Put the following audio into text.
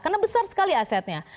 karena besar sekali asetnya